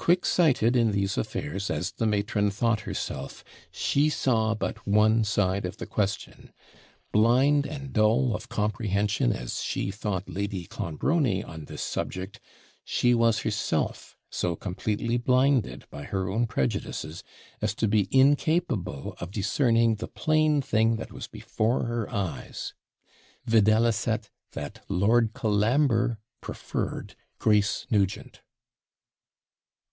Quick sighted in these affairs as the matron thought herself, she saw but one side of the question: blind and dull of comprehension as she thought Lady Clonbrony on this subject, she was herself so completely blinded by her own prejudices, as to be incapable of discerning the plain thing that was before her eyes; VIDELICET, that Lord Colambre preferred Grace Nugent.